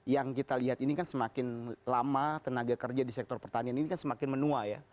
yang kita lihat ini kan semakin lama tenaga kerja di sektor pertanian ini kan semakin menua ya